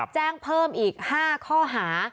แจ้งเพิ่มอีก๕ข้อหา